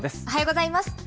おはようございます。